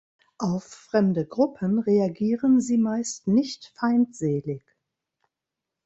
Auf fremde Gruppen reagieren sie meist nicht feindselig.